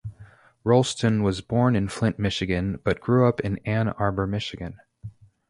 Rolston was born in Flint, Michigan, but grew up in Ann Arbor, Michigan.